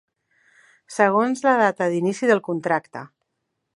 Segons la data d'inici del contracte.